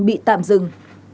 bị tạm dừng